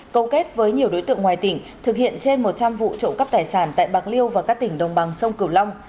cầu kết với nhiều đối tượng ngoài tỉnh thực hiện trên một trăm linh vụ trộm cắp tài sản tại bàng liêu và các tỉnh đông băng sông cửu long